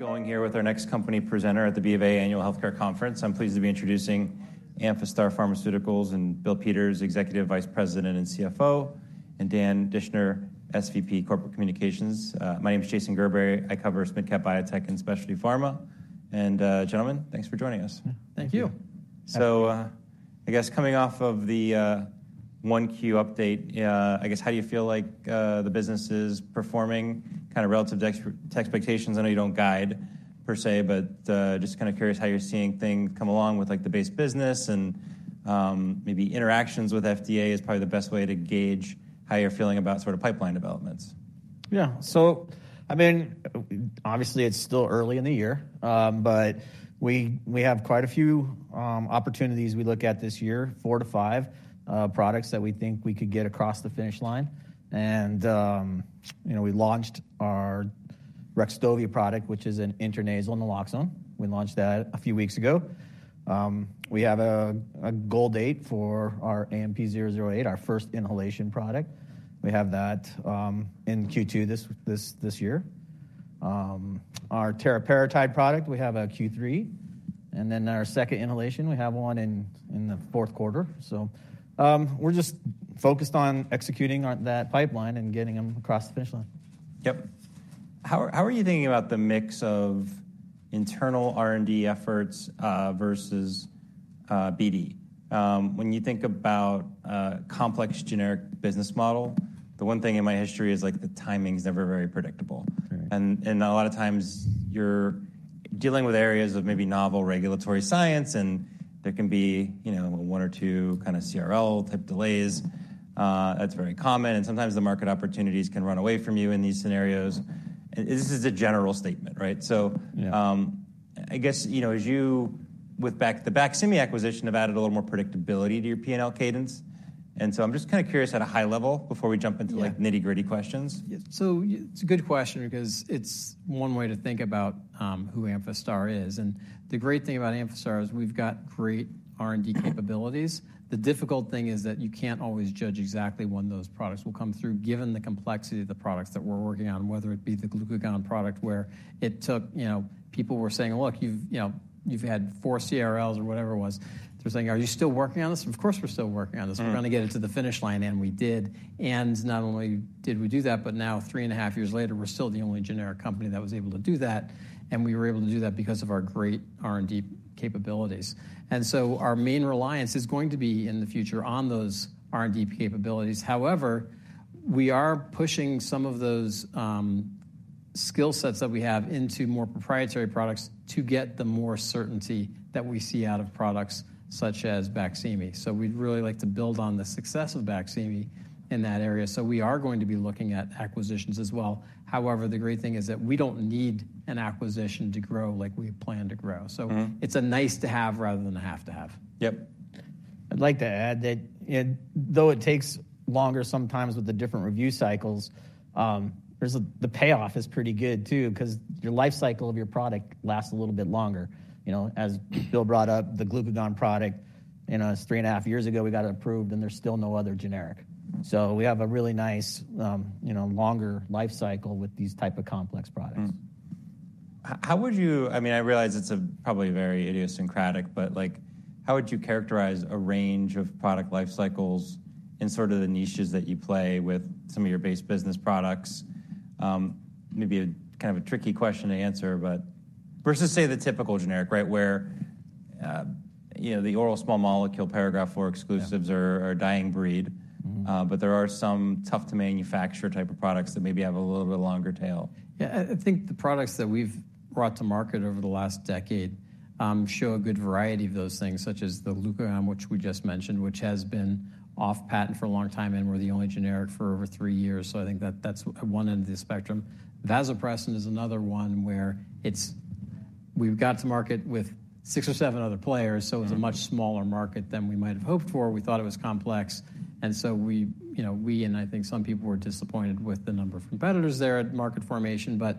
Going here with our next company presenter at the BofA Annual Healthcare Conference. I'm pleased to be introducing Amphastar Pharmaceuticals, and Bill Peters, Executive Vice President and CFO, and Dan Dischner, SVP Corporate Communications. My name is Jason Gerberry. I cover mid-cap biotech and specialty pharma. And, gentlemen, thanks for joining us. Thank you. Thank you. I guess coming off of the Q1 update, I guess, how do you feel like the business is performing, kind relative to expectations? I know you don't guide per se, but, just kind curious how you're seeing things come along with, like, the base business and, maybe interactions with FDA is probably the best way to gauge how you're feeling about sort of pipeline developments. It's still early in the year, but we have quite a few opportunities we look at this year, four to five products that we think we could get across the finish line. You know, we launched our Rextovy product, which is an intranasal naloxone. We launched that a few weeks ago. We have a goal date for our AMP-008, our first inhalation product. We have that in Q2 this year. Our teriparatide product, we have a Q3, and then our second inhalation, we have one in the Q4. We're just focused on executing on that pipeline and getting them across the finish line. How are you thinking about the mix of internal R&D efforts versus BD? When you think about complex generic business model, the one thing in my history is, like, the timing's never very predictable. And a lot of times you're dealing with areas of maybe novel regulatory science, and there can be, you know, one or two kind CRL-type delays. That's very common, and sometimes the market opportunities can run away from you in these scenarios. And this is a general statement, right? I guess, you know, as you, with the Baqsimi acquisition, have added a little more predictability to your P&L cadence. I'm just kind curious at a high level before we jump into like, nitty-gritty questions. It's a good question because it's one way to think about, who Amphastar is, and the great thing about Amphastar is we've got great R&D capabilities. The difficult thing is that you can't always judge exactly when those products will come through, given the complexity of the products that we're working on, whether it be the glucagon product, where it took, you know, people were saying: "Look, you've, you know, you've had four CRLs," or whatever it was. They were saying: "Are you still working on this?" "Of course, we're still working on this. We're gonna get it to the finish line," and we did. And not only did we do that, but now, three and a half years later, we're still the only generic company that was able to do that, and we were able to do that because of our great R&D capabilities. Our main reliance is going to be, in the future, on those R&D capabilities. However, we are pushing some of those skill sets that we have into more proprietary products to get the more certainty that we see out of products such as Baqsimi. We'd really like to build on the success of Baqsimi in that area, so we are going to be looking at acquisitions as well. However, the great thing is that we don't need an acquisition to grow like we plan to grow, so, it's a nice to have rather than a have to have. I'd like to add that, though it takes longer sometimes with the different review cycles, the payoff is pretty good too, 'cause your life cycle of your product lasts a little bit longer. You know, as Bill brought up, the glucagon product, you know, it's three and a half years ago, we got it approved, and there's still no other generic. So we have a really nice, you know, longer life cycle with these type of complex products. How would you I realize it's probably very idiosyncratic, but, like, how would you characterize a range of product life cycles in sort of the niches that you play with some of your base business products? Maybe a kind of a tricky question to answer, but versus, say, the typical generic, right, where, you know, the oral small molecule Paragraph IV exclusives are a dying breed. There are some tough-to-manufacture type of products that maybe have a little bit longer tail. I think the products that we've brought to market over the last decade show a good variety of those things, such as the glucagon, which we just mentioned, which has been off patent for a long time, and we're the only generic for over three years. I think that that's one end of the spectrum. vasopressin is another one where it's we've got to market with six or seven other players. It's a much smaller market than we might have hoped for. We thought it was complex, and so we, you know, we and I think some people were disappointed with the number of competitors there at market formation, but,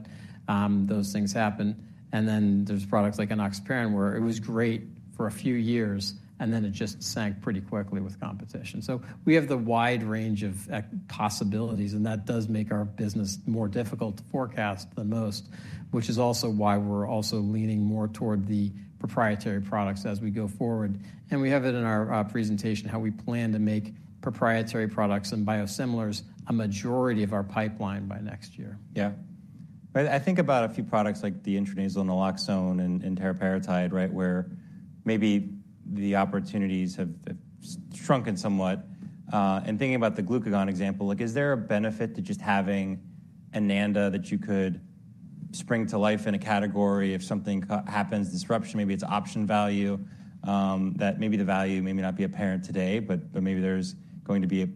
those things happen. There's products like enoxaparin, where it was great for a few years, and then it just sank pretty quickly with competition. We have the wide range of possibilities, and that does make our business more difficult to forecast than most, which is also why we're also leaning more toward the proprietary products as we go forward. We have it in our presentation, how we plan to make proprietary products and biosimilars a majority of our pipeline by next year. I think about a few products like the intranasal naloxone and teriparatide, right? Where maybe the opportunities have shrunken somewhat. And thinking about the glucagon example, like, is there a benefit to just having an ANDA that you could spring to life in a category if something happens, disruption, maybe it's option value, that maybe the value may not be apparent today, but maybe there's going to be.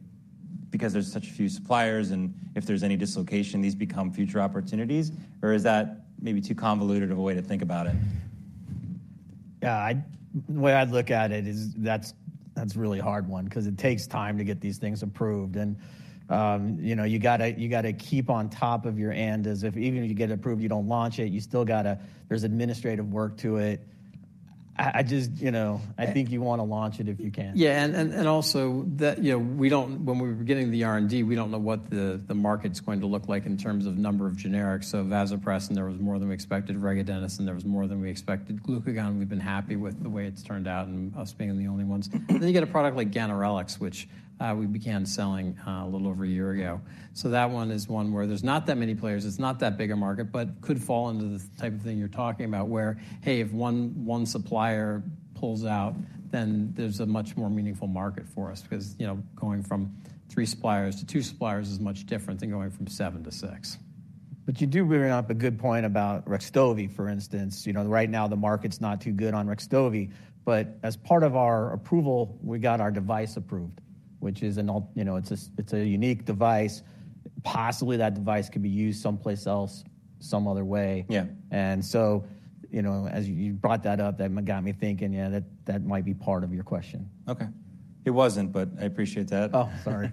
Because there's such few suppliers, and if there's any dislocation, these become future opportunities, or is that maybe too convoluted of a way to think about it? The way I'd look at it is that's a really hard one 'cause it takes time to get these things approved. You know, you gotta keep on top of your ANDAs. Even if you get approved, you don't launch it, you still gotta... There's administrative work to it. I just, you know, I think you wanna launch it if you can. That, you know, we don't when we were getting the R&D, we don't know what the market's going to look like in terms of number of generics. vasopressin, there was more than we expected. regadenoson, there was more than we expected. glucagon, we've been happy with the way it's turned out, and us being the only ones. Then you get a product like ganirelix, which we began selling a little over a year ago. That one is one where there's not that many players. It's not that big a market, but could fall into the type of thing you're talking about, where, hey, if one supplier pulls out, then there's a much more meaningful market for us. Because, you know, going from three suppliers to two suppliers is much different than going from seven to six. You do bring up a good point about Rextovy, for instance. You know, right now, the market's not too good on Rextovy, but as part of our approval, we got our device approved, which is an all... You know, it's a, it's a unique device. Possibly, that device could be used someplace else, some other way. You know, as you brought that up, that got me thinking, yeah, that, that might be part of your question. Okay. It wasn't, but I appreciate that. Oh, sorry.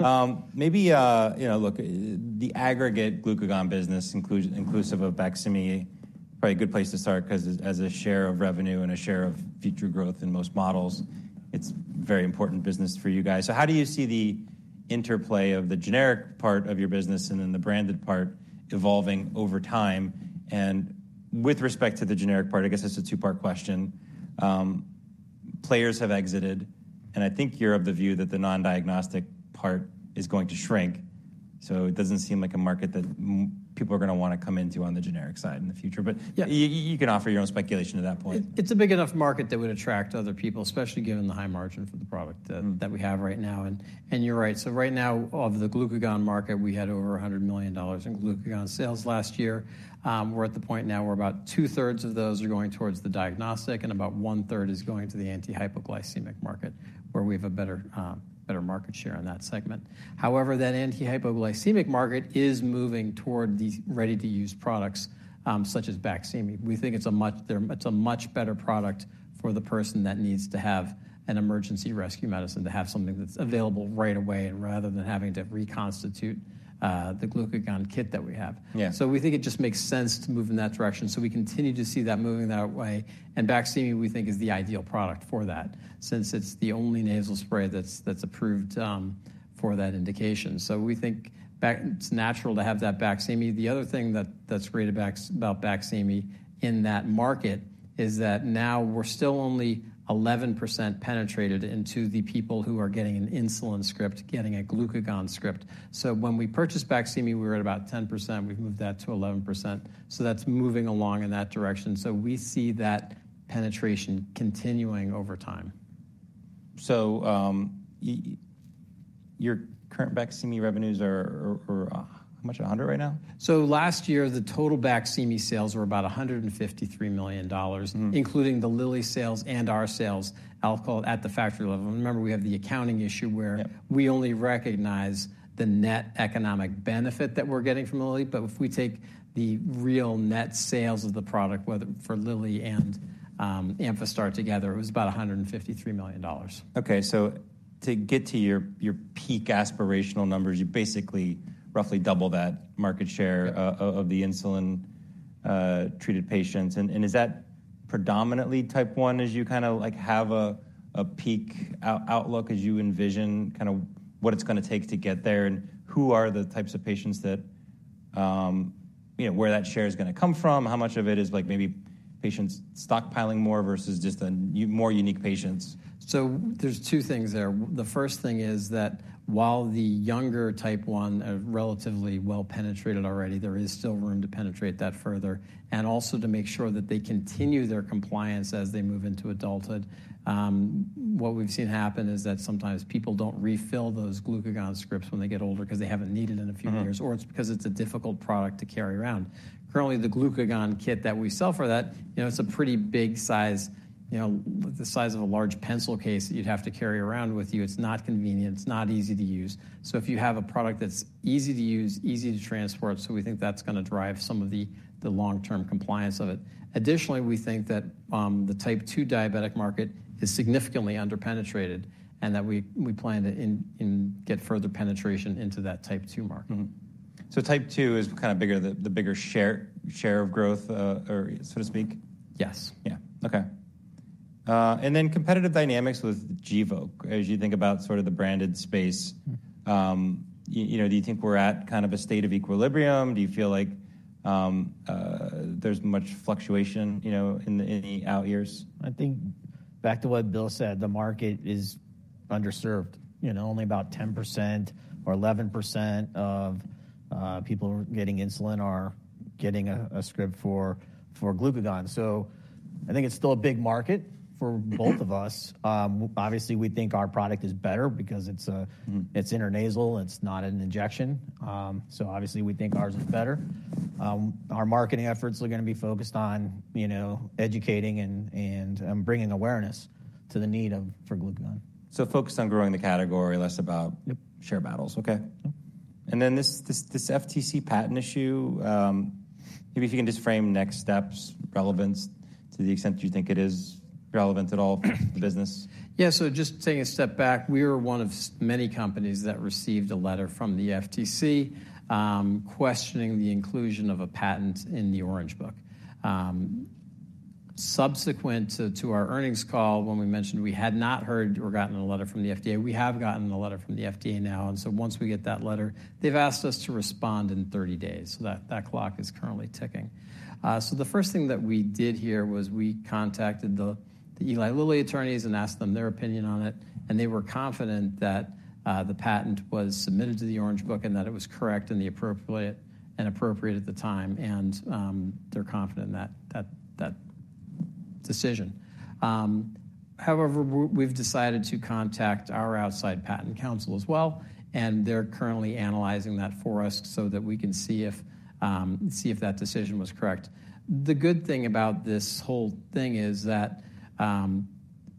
You know, look, the aggregate glucagon business, inclusive of Baqsimi, probably a good place to start, 'cause as a share of revenue and a share of future growth in most models, it's very important business for you guys. How do you see the interplay of the generic part of your business and then the branded part evolving over time? With respect to the generic part, I guess it's a two-part question. Players have exited, and I think you're of the view that the non-diagnostic part is going to shrink. So it doesn't seem like a market that people are gonna wanna come into on the generic side in the future. You can offer your own speculation at that point. It's a big enough market that would attract other people, especially given the high margin for the product. that we have right now. You're right. Right now, of the glucagon market, we had over $100 million in glucagon sales last year. We're at the point now where about two-thirds of those are going towards the diagnostic, and about one-third is going to the anti-hypoglycemic market, where we have a better, better market share on that segment. However, that anti-hypoglycemic market is moving toward these ready-to-use products, such as Baqsimi. We think it's a much, it's a much better product for the person that needs to have an emergency rescue medicine, to have something that's available right away and rather than having to reconstitute, the glucagon kit that we have. We think it just makes sense to move in that direction, so we continue to see that moving that way. And Baqsimi, we think, is the ideal product for that, since it's the only nasal spray that's approved for that indication. We think it's natural to have that Baqsimi. The other thing that's great about Baqsimi in that market is that now we're still only 11% penetrated into the people who are getting an insulin script, getting a glucagon script. When we purchased Baqsimi, we were at about 10%. We've moved that to 11%, so that's moving along in that direction. Your current Baqsimi revenues are how much? $100 right now? Last year, the total Baqsimi sales were about $153 million. Including the Lilly sales and our sales, Albuterol at the factory level. Remember, we have the accounting issue where we only recognize the net economic benefit that we're getting from Lilly. But if we take the real net sales of the product, whether for Lilly and Amphastar together, it was about $153 million. To get to your peak aspirational numbers, you basically roughly double that market share of the insulin treated patients. Is that predominantly Type 1, as you kinda like have a peak outlook as you envision kinda what it's gonna take to get there? Who are the types of patients that you know where that share is gonna come from? How much of it is like maybe patients stockpiling more versus just a more unique patients? There's two things there. The first thing is that while the younger Type one are relatively well-penetrated already, there is still room to penetrate that further and also to make sure that they continue their compliance as they move into adulthood. What we've seen happen is that sometimes people don't refill those glucagon scripts when they get older 'cause they haven't needed it in a few years or it's because it's a difficult product to carry around. Currently, the glucagon kit that we sell for that, you know, it's a pretty big size, you know, the size of a large pencil case that you'd have to carry around with you. It's not convenient. It's not easy to use. So if you have a product that's easy to use, easy to transport, so we think that's gonna drive some of the, the long-term compliance of it. Additionally, we think that the Type 2 diabetic market is significantly under-penetrated and that we, we plan to in, in, get further penetration into that Type 2 market. Type two is kind of bigger, the bigger share of growth, or so to speak? Competitive dynamics with Gvoke, as you think about sort of the branded space You know, do you think we're at kind of a state of equilibrium? Do you feel like there's much fluctuation, you know, in the out years? I think back to what Bill said, the market is underserved. You know, only about 10% or 11% of people getting insulin are getting a script for glucagon. I think it's still a big market for both of us. Obviously, we think our product is better because it's It's intranasal. It's not an injection. So obviously, we think ours is better. Our marketing efforts are gonna be focused on, you know, educating and bringing awareness to the need for glucagon. So focused on growing the category, less about share battles. Okay. And then this FTC patent issue, maybe if you can just frame next steps, relevance to the extent you think it is? Relevant at all to the business? Just taking a step back, we are one of many companies that received a letter from the FTC, questioning the inclusion of a patent in the Orange Book. Subsequent to our earnings call, when we mentioned we had not heard or gotten a letter from the FDA, we have gotten a letter from the FDA now. Once we get that letter, they've asked us to respond in 30 days. Shat clock is currently ticking. The first thing that we did here was we contacted the Eli Lilly attorneys and asked them their opinion on it, and they were confident that the patent was submitted to the Orange Book, and that it was correct and the appropriate and appropriate at the time. They're confident in that decision. However, we've decided to contact our outside patent counsel as well, and they're currently analyzing that for us so that we can see if, see if that decision was correct. The good thing about this whole thing is that,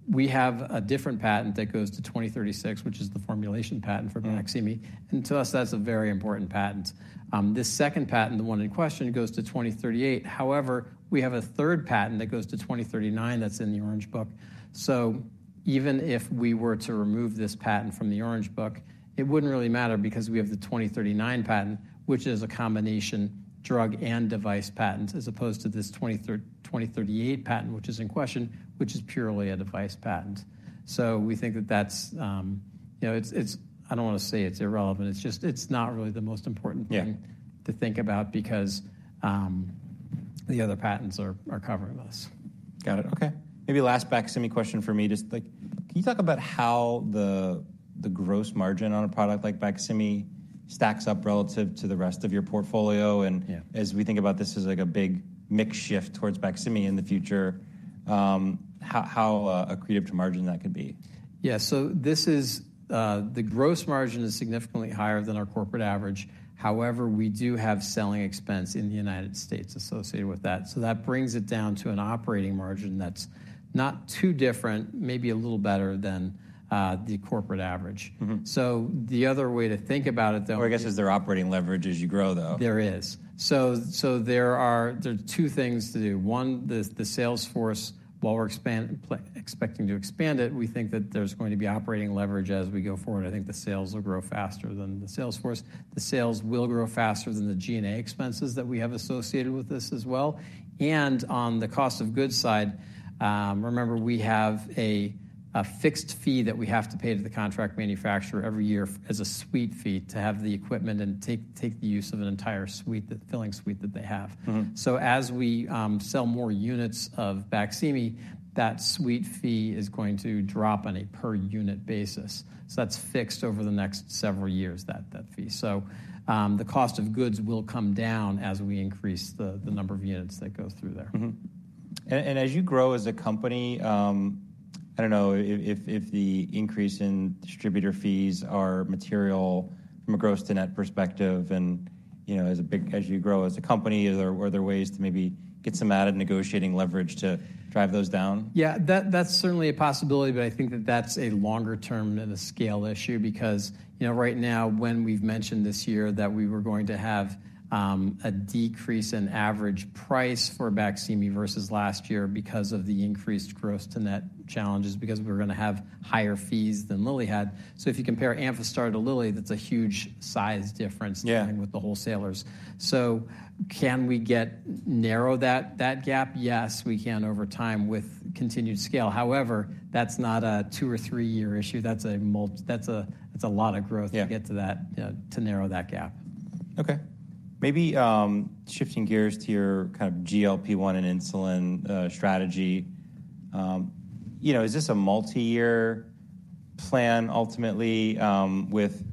we have a different patent that goes to 2036, which is the formulation patent for-Baqsimi. And to us, that's a very important patent. This second patent, the one in question, goes to 2038. However, we have a third patent that goes to 2039 that's in the Orange Book. If we were to remove this patent from the Orange Book, it wouldn't really matter because we have the 2039 patent, which is a combination drug and device patent, as opposed to this 2038 patent, which is in question, which is purely a device patent. We think that that's. You know, it's, it's- I don't wanna say it's irrelevant, it's just, it's not really the most important thing-to think about because, the other patents are covering us. Got it. Okay. Maybe last Baqsimi question for me. Just, like, can you talk about how the, the gross margin on a product like Baqsimi stacks up relative to the rest of your portfolio? As we think about this as, like, a big mix shift towards Baqsimi in the future, how accretive to margin that could be? This is, the gross margin is significantly higher than our corporate average. However, we do have selling expense in the United States associated with that, so that brings it down to an operating margin that's not too different, maybe a little better than, the corporate average. The other way to think about it, though. Well, I guess, is there operating leverage as you grow, though? There is. There are two things to do. One, the sales force, while we're expecting to expand it, we think that there's going to be operating leverage as we go forward. I think the sales will grow faster than the sales force. The sales will grow faster than the G&A expenses that we have associated with this as well. On the cost of goods side, remember, we have a fixed fee that we have to pay to the contract manufacturer every year as a suite fee to have the equipment and take the use of an entire suite, the filling suite that they have. As we sell more units of Baqsimi, that suite fee is going to drop on a per unit basis. That's fixed over the next several years, that fee. The cost of goods will come down as we increase the number of units that go through there. As you grow as a company, I don't know if the increase in distributor fees are material from a gross to net perspective and, you know, as you grow as a company, are there, were there ways to maybe get some added negotiating leverage to drive those down? That, that's certainly a possibility, but I think that that's a longer term than a scale issue. Because, you know, right now, when we've mentioned this year that we were going to have, a decrease in average price for Baqsimi versus last year because of the increased gross to net challenges, because we're gonna have higher fees than Lilly had. If you compare Amphastar to Lilly, that's a huge size difference, with the wholesalers. So can we narrow that gap? Yes, we can over time with continued scale. However, that's not a 2- or 3-year issue, that's a lot of growth, to get to that, to narrow that gap. Okay. Maybe, shifting gears to your kind of GLP-1 and insulin, strategy. You know, is this a multi-year plan ultimately, with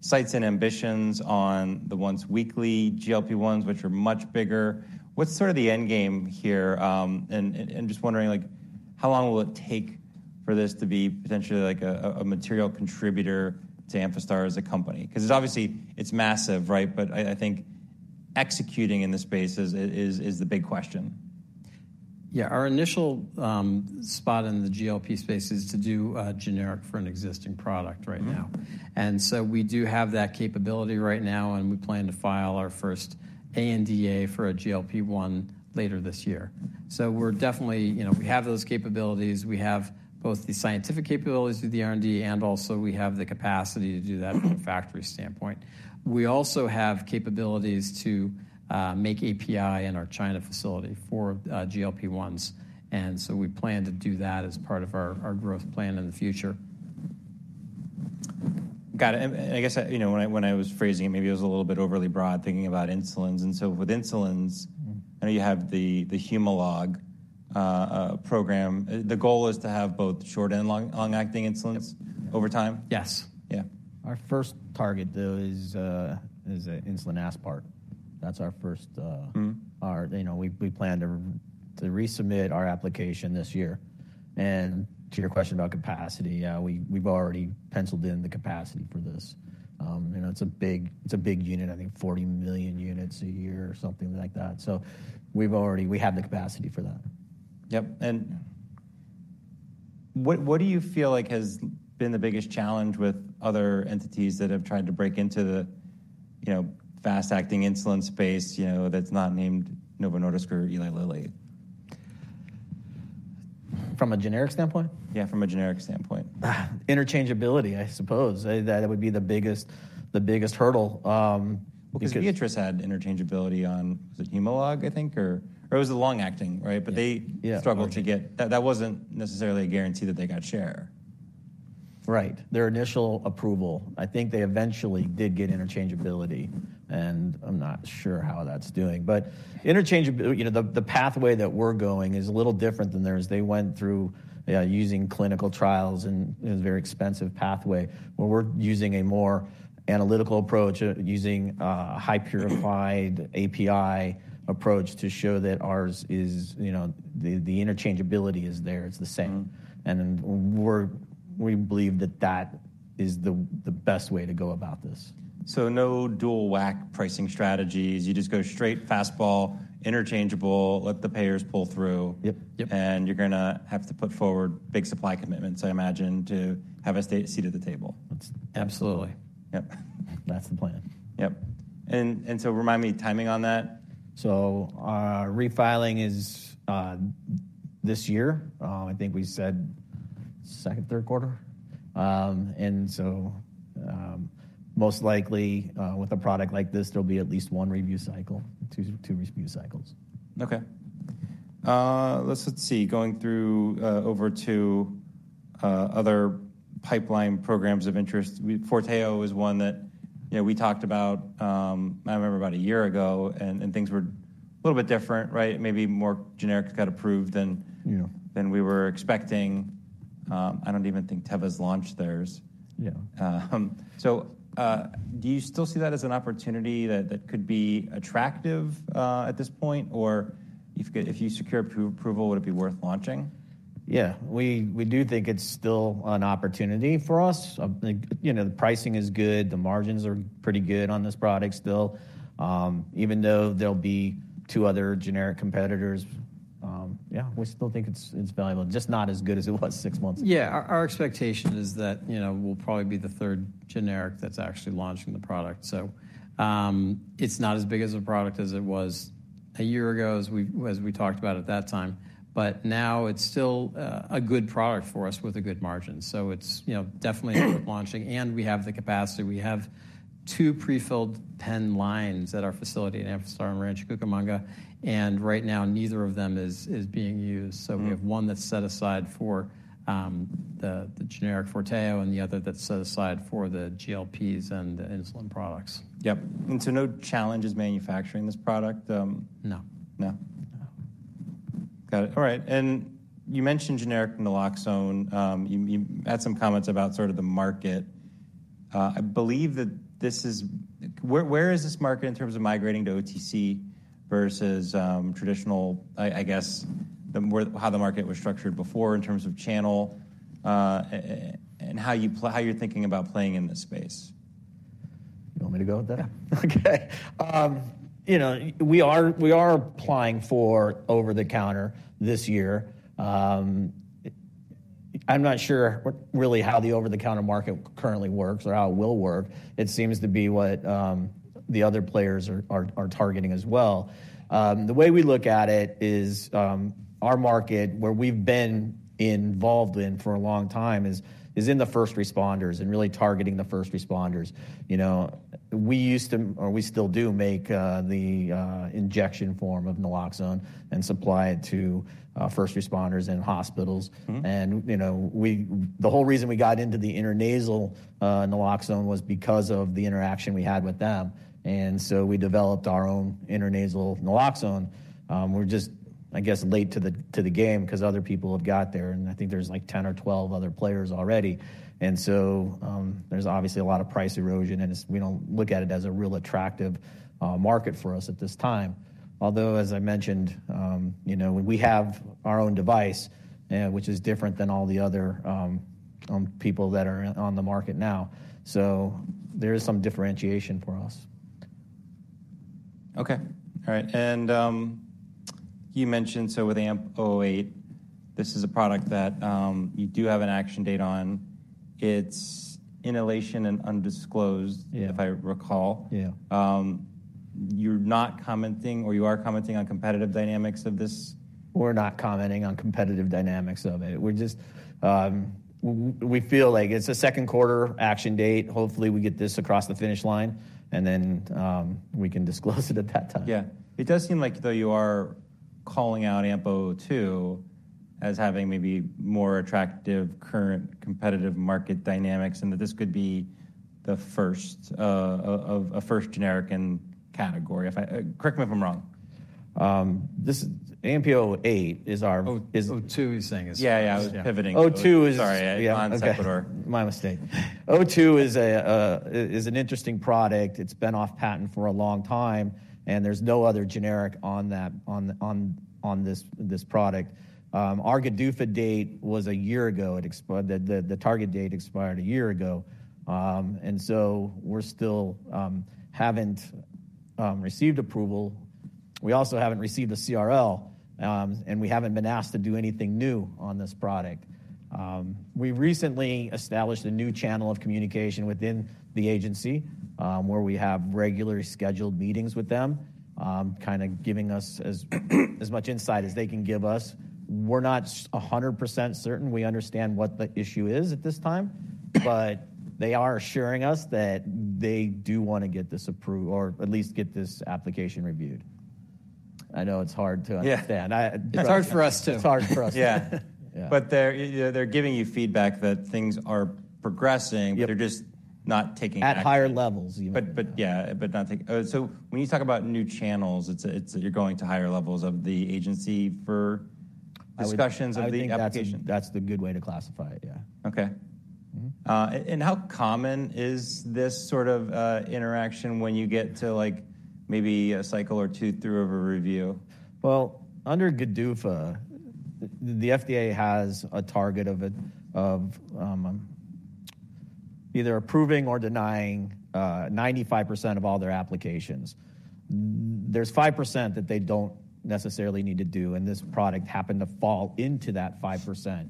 sights and ambitions on the once-weekly GLP-1s, which are much bigger? What's sort of the end game here? Just wondering, like, how long will it take for this to be potentially like a material contributor to Amphastar as a company? Because obviously, it's massive, right? But I think executing in this space is the big question. Our initial spot in the GLP space is to do generic for an existing product right now. We do have that capability right now, and we plan to file our first ANDA for a GLP-1 later this year. We're definitely... You know, we have those capabilities. We have both the scientific capabilities to do the R&D, and also we have the capacity to do that from a factory standpoint. We also have capabilities to make API in our China facility for GLP-1s, and so we plan to do that as part of our growth plan in the future. Got it. And I guess, you know, when I was phrasing it, maybe it was a little bit overly broad, thinking about insulins. And so with insulins. I know you have the Humalog program. The goal is to have both short and long-acting insulins over time? Our first target, though, is insulin aspart. That's our first our, you know, we plan to resubmit our application this year. And to your question about capacity, we, we've already penciled in the capacity for this. You know, it's a big, it's a big unit, I think 40 million units a year or something like that. So we've already. We have the capacity for that. That do you feel like has been the biggest challenge with other entities that have tried to break into the, you know, fast-acting insulin space, you know, that's not named Novo Nordisk or Eli Lilly? From a generic standpoint? From a generic standpoint. Interchangeability, I suppose. That would be the biggest, the biggest hurdle, because- Beatrice had interchangeability on, was it Humalog, I think, or, or it was the long-acting, right? But they struggled to get. That, that wasn't necessarily a guarantee that they got share. Right. Their initial approval, I think they eventually did get interchangeability, and I'm not sure how that's doing. But interchangeability, you know, the pathway that we're going is a little different than theirs. They went through using clinical trials, and it was a very expensive pathway, where we're using a more analytical approach using a high purified API approach to show that ours is, you know, the interchangeability is there, it's the same We believe that is the best way to go about this. No dual whack pricing strategies. You just go straight fastball, interchangeable, let the payers pull through. You're gonna have to put forward big supply commitments, I imagine, to have a seat at the table. Absolutely. That's the plan. Remind me, timing on that. Refiling is this year. I think we said second, third quarter. Most likely, with a product like this, there'll be at least one review cycle, two, two review cycles. Okay. Let's, let's see, going through, over to, other pipeline programs of interest. We, Forteo is one that, you know, we talked about, I remember about a year ago, and, and things were a little bit different, right? Maybe more generics got approved, we were expecting. I don't even think Teva's launched theirs. Do you still see that as an opportunity that could be attractive at this point? Or if you secure approval, would it be worth launching? We do think it's still an opportunity for us. Like, you know, the pricing is good, the margins are pretty good on this product still. Even though there'll be two other generic competitors, yeah, we still think it's valuable, just not as good as it was six months ago. Our expectation is that, you know, we'll probably be the third generic that's actually launching the product. It's not as big a product as it was a year ago, as we talked about at that time, but now it's still a good product for us with a good margin. It's, you know, definitely worth launching, and we have the capacity. We have two pre-filled pen lines at our facility in Amphastar and Rancho Cucamonga, and right now, neither of them is being used. We have one that's set aside for the generic Forteo and the other that's set aside for the GLPs and the insulin products. No challenges manufacturing this product, Got it. All right, and you mentioned generic naloxone. You had some comments about sort of the market. I believe that this is. Where is this market in terms of migrating to OTC versus traditional, I guess, the more, how the market was structured before in terms of channel, and how you're thinking about playing in this space? You want me to go with that? Okay. You know, we are applying for over-the-counter this year. I'm not sure what really how the over-the-counter market currently works or how it will work. It seems to be what the other players are targeting as well. The way we look at it is, our market, where we've been involved in for a long time, is in the first responders and really targeting the first responders. You know, we used to, or we still do, make the injection form of naloxone and supply it to first responders and hospitals. You know, we, the whole reason we got into the intranasal naloxone was because of the interaction we had with them. We developed our own intranasal naloxone. We're just, I guess, late to the game because other people have got there, and I think there's, like, 10 or 12 other players already. There's obviously a lot of price erosion, and it's. We don't look at it as a real attractive market for us at this time. Although, as I mentioned, you know, we have our own device, which is different than all the other people that are on the market now. So there is some differentiation for us. Okay. All right, and you mentioned, so with AMP-008, this is a product that you do have an action date on. It's inhalation and undisclosed, If I recall. You're not commenting or you are commenting on competitive dynamics of this? We're not commenting on competitive dynamics of it. We're just, we feel like it's a second quarter action date. Hopefully, we get this across the finish line, and then, we can disclose it at that time. It does seem like, though, you are calling out AMP-002 as having maybe more attractive current competitive market dynamics and that this could be the first generic in category. If I... Correct me if I'm wrong. This, AMP-008 is our- He's saying. Pivoting. Sorry, yeah, on equator. My mistake. 02 is an interesting product. It's been off patent for a long time, and there's no other generic on that, on this product. Our GDUFA date was a year ago. The target date expired a year ago. And so we're still haven't received approval. We also haven't received a CRL, and we haven't been asked to do anything new on this product. We recently established a new channel of communication within the agency, where we have regularly scheduled meetings with them, kind giving us as much insight as they can give us. We're not 100% certain we understand what the issue is at this time, but they are assuring us that they do wanna get this approve or at least get this application reviewed. I know it's hard to understand. Yeah. It's hard for us, too. It's hard for us. They're giving you feedback that things are progressing, but they're just not taking action. At higher levels, yeah. When you talk about new channels, it's you're going to higher levels of the agency for- I would discussions of the application. I think that's, that's the good way to classify it, yeah. How common is this sort of interaction when you get to, like, maybe a cycle or two through of a review? Well, under GDUFA, the FDA has a target of either approving or denying 95% of all their applications. There's 5% that they don't necessarily need to do, and this product happened to fall into that 5%.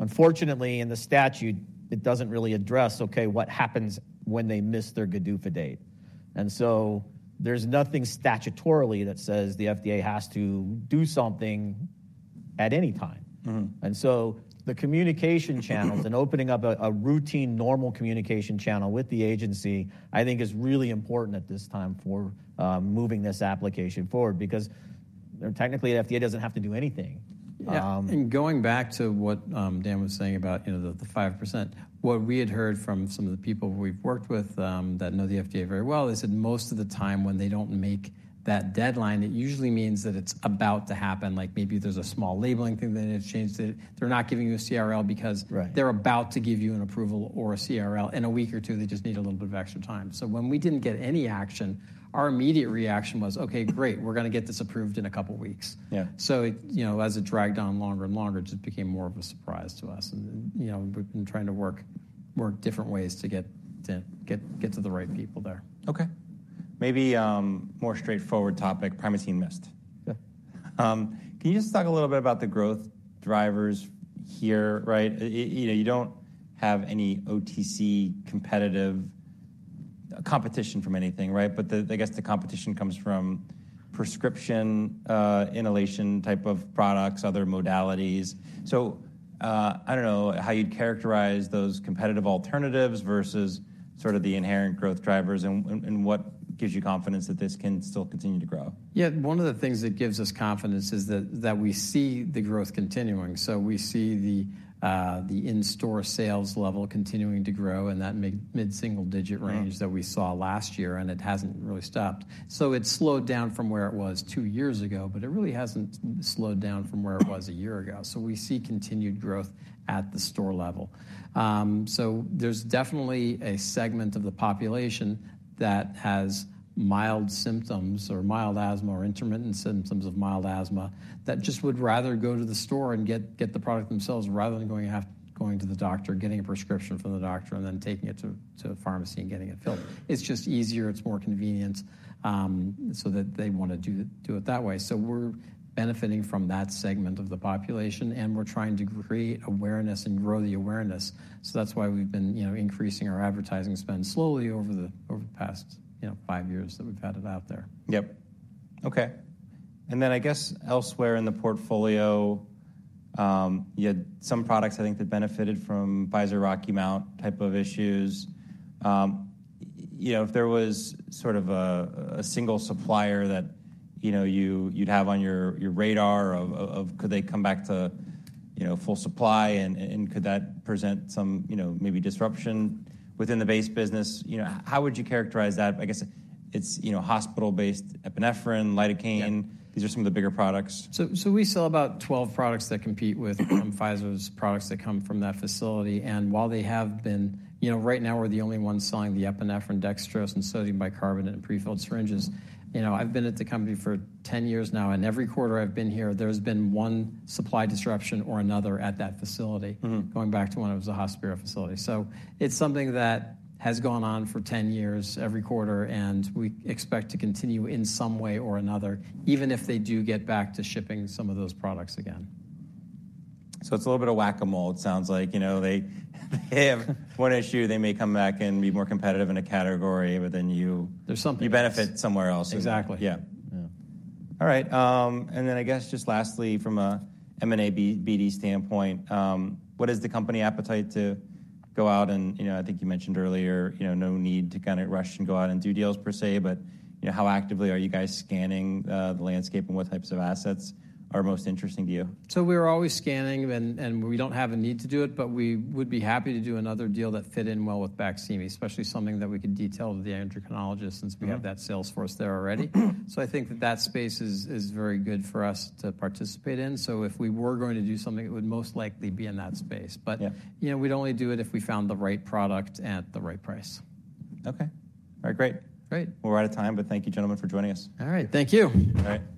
Unfortunately, in the statute, it doesn't really address, okay, what happens when they miss their GDUFA date? And so there's nothing statutorily that says the FDA has to do something at any time The communication channels and opening up a routine, normal communication channel with the agency, I think is really important at this time for moving this application forward, because technically, the FDA doesn't have to do anything. Going back to what Dan was saying about, you know, the, the 5%, what we had heard from some of the people we've worked with that know the FDA very well, they said most of the time, when they don't make that deadline, it usually means that it's about to happen. Like, maybe there's a small labeling thing they need to change, that they're not giving you a CRL because they're about to give you an approval or a CRL in a week or two. They just need a little bit of extra time. So when we didn't get any action, our immediate reaction was, "Okay, great. We're gonna get this approved in a couple weeks. It, you know, as it dragged on longer and longer, it just became more of a surprise to us. You know, we've been trying to work different ways to get to the right people there. Maybe, more straightforward topic, Primatene Mist Can you just talk a little bit about the growth drivers here, right? You know, you don't have any OTC competitive competition from anything, right? I guess the competition comes from prescription inhalation-type of products, other modalities. I don't know how you'd characterize those competitive alternatives versus sort of the inherent growth drivers, and what gives you confidence that this can still continue to grow? one of the things that gives us confidence is that, that we see the growth continuing. So we see the, the in-store sales level continuing to grow in that mid, mid-single digit range, that we saw last year, and it hasn't really stopped. it's slowed down from where it was two years ago, but it really hasn't slowed down from where it was a year ago. We see continued growth at the store level. There's definitely a segment of the population that has mild symptoms or mild asthma or intermittent symptoms of mild asthma, that just would rather go to the store and get the product themselves, rather than going to the doctor, getting a prescription from the doctor, and then taking it to a pharmacy and getting it filled. It's just easier, it's more convenient, so that they wanna do it, do it that way. We're benefiting from that segment of the population, and we're trying to create awareness and grow the awareness. That's why we've been, you know, increasing our advertising spend slowly over the past, you know, five years that we've had it out there. Yep. Okay, and then I guess elsewhere in the portfolio, you had some products, I think, that benefited from Pfizer Rocky Mount type of issues. You know, if there was sort of a single supplier that, you know, you'd have on your radar of, could they come back to, you know, full supply and could that present some, you know, maybe disruption within the base business? You know, how would you characterize that? I guess it's, you know, hospital-based epinephrine, lidocaine, these are some of the bigger products. So, we sell about 12 products that compete with Pfizer's products that come from that facility. And while they have been. You know, right now, we're the only ones selling the epinephrine, dextrose, and sodium bicarbonate in pre-filled syringes. You know, I've been at the company for 10 years now, and every quarter I've been here, there's been one supply disruption or another at that facility. Going back to when it was a Hospira facility. So it's something that has gone on for 10 years, every quarter, and we expect to continue in some way or another, even if they do get back to shipping some of those products again. It's a little bit of whack-a-mole, it sounds like. You know, they, they have one issue, they may come back and be more competitive in a category, but then you- There's something. You benefit somewhere else All right, and then I guess just lastly, from a M&A, BD standpoint, what is the company appetite to go out. You know, I think you mentioned earlier, you know, no need to kind of rush and go out and do deals per se, but, you know, how actively are you guys scanning the landscape, and what types of assets are most interesting to you? We're always scanning, and, and we don't have a need to do it, but we would be happy to do another deal that fit in well with Baqsimi, especially something that we could detail to the endocrinologists- Since we have that sales force there already. I think that that space is, is very good for us to participate in. If we were going to do something, it would most likely be in that space. You know, we'd only do it if we found the right product at the right price. Okay. All right, great. Great. We're out of time, but thank you, gentlemen, for joining us. All right. Thank you. All right.